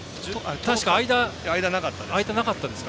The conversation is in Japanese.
確か、間なかったですか。